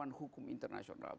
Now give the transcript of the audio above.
pengetahuan hukum internasional